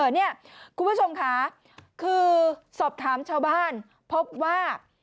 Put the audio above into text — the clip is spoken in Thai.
เนี่ยคุณผู้ชมค่ะคือสอบถามชาวบ้านพบว่า